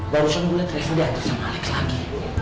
baru baru itu lagi